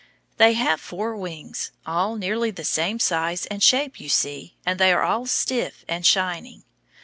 They have four wings, all nearly the same size and shape, you see, and they are all stiff and shining.